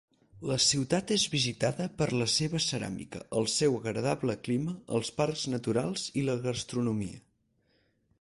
La ciutat és visitada per la seva ceràmica, el seu agradable clima, els parcs naturals i la gastronomia.